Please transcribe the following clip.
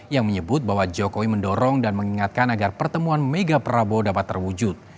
yang menyebut bahwa jokowi mendorong dan mengingatkan agar pertemuan mega prabowo dapat terwujud